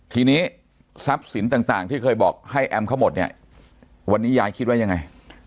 ทีนี้ทรัพย์สินต่างที่เคยบอกให้แอมเขาหมดเนี่ยวันนี้ยายคิดว่ายังไง